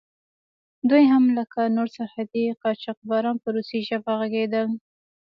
دوی هم لکه نور سرحدي قاچاقبران په روسي ژبه غږېدل.